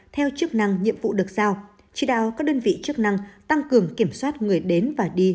theo chức năng nhiệm vụ được giao chỉ đạo các đơn vị chức năng tăng cường kiểm soát người đến và đi